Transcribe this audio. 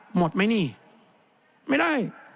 หมดไหมนี่ไม่ได้